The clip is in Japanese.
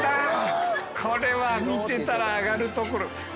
これは見てたら上がるところ。